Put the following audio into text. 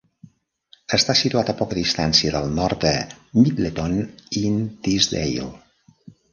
Està situat a poca distància del nord de Middleton-in-Teesdale.